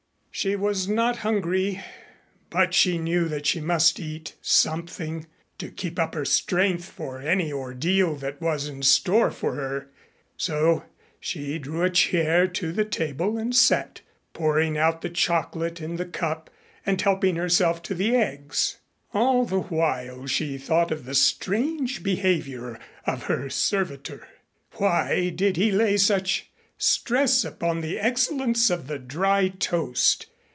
She was not hungry but she knew that she must eat something to keep up her strength for any ordeal that was in store for her, so she drew a chair to the table and sat, pouring out the chocolate in the cup and helping herself to the eggs. All the while she thought of the strange behavior of her servitor. Why did he lay such stress upon the excellence of the dry toast?